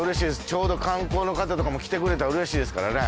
ちょうど観光の方とかも来てくれたらうれしいですからね。